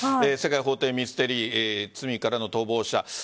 「世界法廷ミステリー罪からの逃亡者」